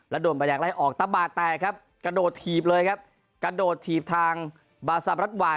และโดดบรรยากไล่ออกตะบาดแต่ครับกระโดดถีบเลยครับกระโดดถีบทางบาร์สัมรัฐวาล